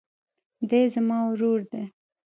دی زما ورور دئ.